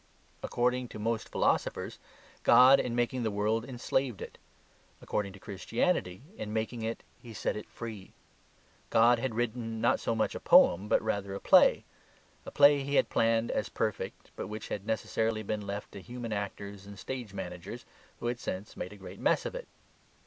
According to most philosophers, God in making the world enslaved it. According to Christianity, in making it, He set it free. God had written, not so much a poem, but rather a play; a play he had planned as perfect, but which had necessarily been left to human actors and stage managers, who had since made a great mess of it.